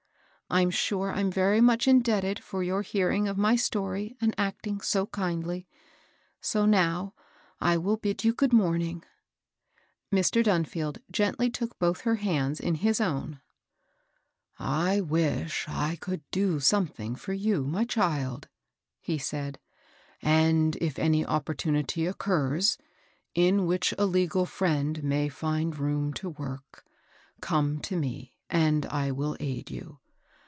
Fm sure I'm very much indebted for your hearing of my story and acting so kindly ; so now I will bid you good morning." Mr. Dunfield gently took both her hands in his own. "I wish I could do something for you, my child," he said ;" and if any opportunity occurs, in which a legal friend may find room to work, come to me, and I will aid you.